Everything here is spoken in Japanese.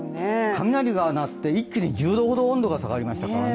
雷が鳴って、一気に１０度ほど温度が下がりましたからね。